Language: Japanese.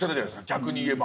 逆に言えば。